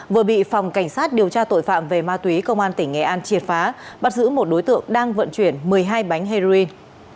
vừa bị phòng cảnh sát điều tra tội phạm về ma túy công an tỉnh nghệ an triệt phá bắt giữ một đối tượng đang vận chuyển một mươi hai bánh heroin